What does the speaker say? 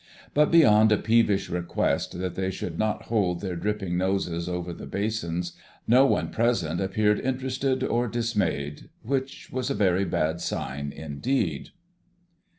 But beyond a peevish request that they should not hold their dripping noses over the basins, no one present appeared interested or dismayed—which was a very bad sign indeed.